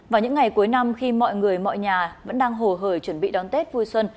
vào những ngày cuối năm khi mọi người mọi nhà vẫn đang hồ hởi chuẩn bị đón tết vui xuân